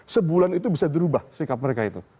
sebulan itu bisa dirubah sikap mereka itu